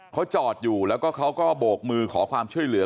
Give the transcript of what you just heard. เขาจอดอยู่แล้วก็เขาก็โบกมือขอความช่วยเหลือ